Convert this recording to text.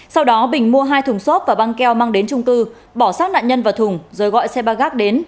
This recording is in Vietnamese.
sau đó bình mua hai thùng xốp và băng keo mang đến trung cư bỏ sát nạn nhân vào thùng rồi gọi xe ba gác đến